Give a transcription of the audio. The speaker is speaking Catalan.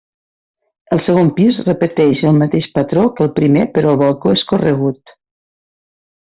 El segon pis repeteix el mateix patró que el primer però el balcó és corregut.